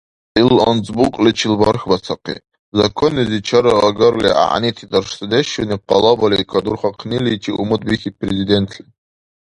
Ил анцӀбукьличил бархбасахъи, законнизи чараагарли гӀягӀнити дарсдешуни къалабали кадурхахъниличи умут бихьиб Президентли.